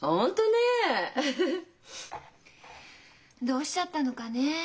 どうしちゃったのかね？